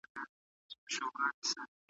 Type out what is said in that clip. غوره بریا یوازي مستحقو ته نه سي ښودل کېدلای.